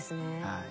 はい。